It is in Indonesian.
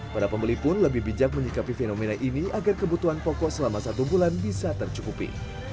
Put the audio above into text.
para pembeli pun lebih bijak menyikapi fenomena ini agar kebutuhan pokok selama satu bulan bisa tercukupi